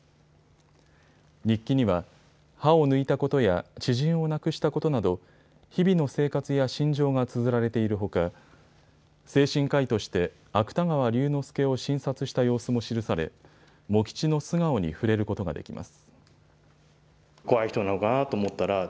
日記には歯を抜いたことや知人を亡くしたことなど日々の生活や心情がつづられているほか精神科医として芥川龍之介を診察した様子も記され茂吉の素顔に触れることができます。